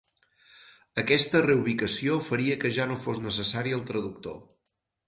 Aquesta reubicació faria que ja no fos necessari el traductor.